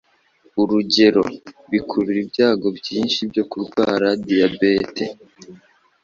urugero bikurura ibyago byinshi byo kurwara diyabete,